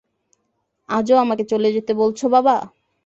আজও আমাকে চলে যেতে বলছো, বাবা?